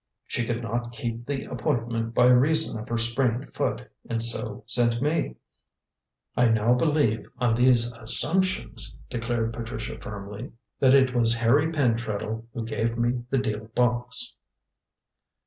She could not keep the appointment by reason of her sprained foot, and so sent me. I now believe, on these assumptions," declared Patricia firmly, "that it was Harry Pentreddle who gave me the deal box."